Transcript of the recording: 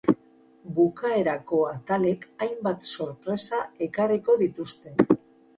Bukaerako atalek hainbat sorpresa ekarriko dituzte.